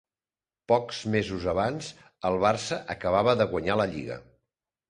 Pocs mesos abans, el Barça acabava de guanyar la Lliga.